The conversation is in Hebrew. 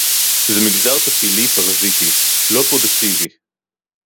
זה מגזר טפילי-פרזיטי, לא פרודוקטיבי